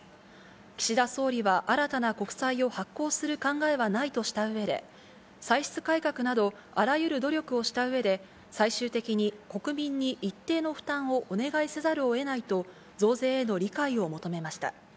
岸田総理は、新たな国債を発行する考えはないとしたうえで、歳出改革などあらゆる努力をしたうえで、最終的に国民に一定の負担をお願いせざるをえないと、増税への理解を求めました。